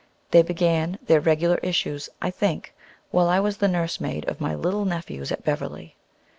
They began their regular issues, I think, while I was the nursemaid of my little nephews at Beverly.